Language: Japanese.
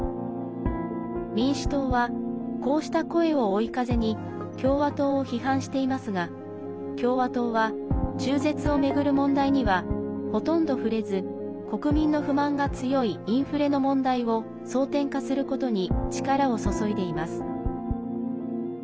民主党は、こうした声を追い風に共和党を批判していますが共和党は中絶を巡る問題にはほとんど触れず国民の不満が強いインフレの問題を争点化することに力を注いでいます。